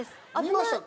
見ました？